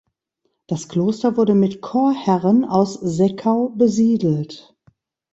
Das Kloster wurde mit Chorherren aus Seckau besiedelt.